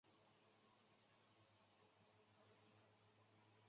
住宅负担能力指数是一个测量国民家庭购买住宅的财务能力的一项指数。